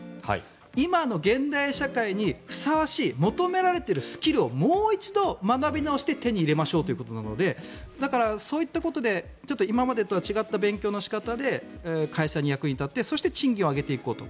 今の現代社会にふさわしい求められているスキルをもう一度、学び直して手に入れましょうということなのでだから、そういったことで今までとは違った勉強の仕方で会社の役に立ってそして賃金を上げていこうと。